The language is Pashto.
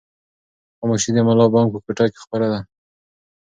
خاموشي د ملا بانګ په کوټه کې خپره ده.